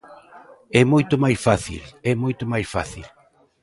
É moito máis fácil, é moito máis fácil.